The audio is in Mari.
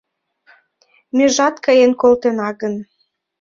Межат каен колтена гын